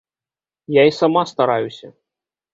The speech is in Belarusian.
Я й сама стараюся.